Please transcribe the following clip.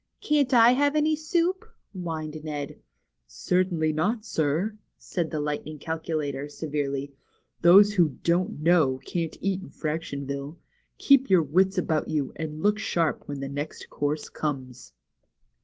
Can't I have any soup?" whined Ned. Certainly not, sir," said the Lightning Calculator, severely. Those who ^ don't know ' can't eat in Frac tionville. Keep your wits about you, and look sharp when the next course comes."